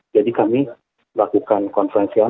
jadi kami lakukan konferensi